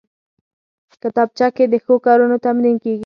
کتابچه کې د ښو کارونو تمرین کېږي